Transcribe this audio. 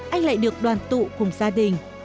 anh lại được đoàn tụ cùng gia đình